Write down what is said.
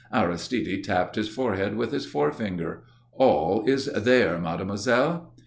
Aristide tapped his forehead with his forefinger. "All is there, Mademoiselle."